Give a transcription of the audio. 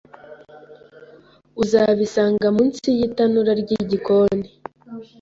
Uzabisanga munsi yitanura ryigikoni.